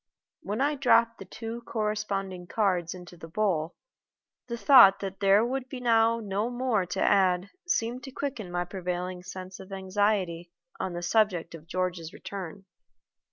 When I dropped the two corresponding cards into the bowl, the thought that there would be now no more to add seemed to quicken my prevailing sense of anxiety on the subject of George's return.